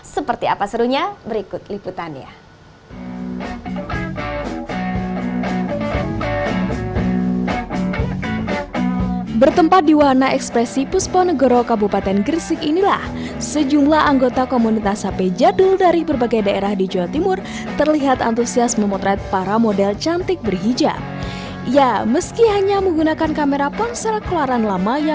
seperti apa serunya berikut liputannya